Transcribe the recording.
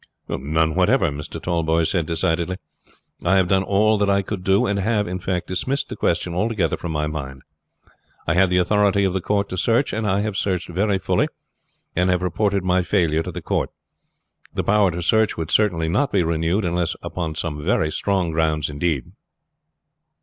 "None whatever," Mr. Tallboys said decidedly. "I have done all that I could do; and have, in fact, dismissed the question altogether from my mind. I had the authority of the court to search, and I have searched very fully, and have reported my failure to the court. The power to search would certainly not be renewed unless upon some very strong grounds indeed."